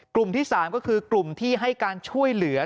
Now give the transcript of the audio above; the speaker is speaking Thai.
กลุ่มที่๓ก็คือกลุ่มที่ให้การช่วยเหลือ